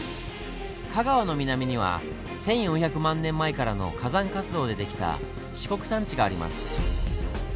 香川の南には１４００万年前からの火山活動で出来た四国山地があります。